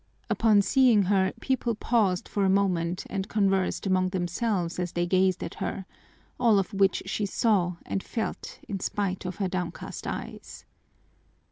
Upon seeing her, people paused for a moment and conversed among themselves as they gazed at her, all of which she saw and felt in spite of her downcast eyes.